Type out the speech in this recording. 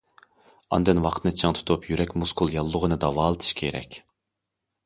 ئاندىن ۋاقىتنى چىڭ تۇتۇپ، يۈرەك مۇسكۇل ياللۇغىنى داۋالىتىش كېرەك.